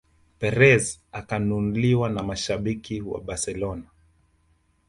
Perez akanuniwa na mashabiki wa Barcelona